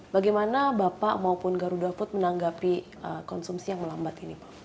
bagaimana bapak maupun garuda food menanggapi konsumsi yang melambat ini pak